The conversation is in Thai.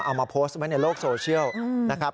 เอามาโพสต์ไว้ในโลกโซเชียลนะครับ